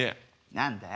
何だよ。